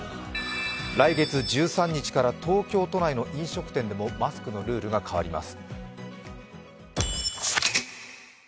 来月１３日から東京都内の飲食店でもマスクのルールが変わります。